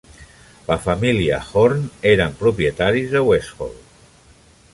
La família Horn eren propietaris de Westhall.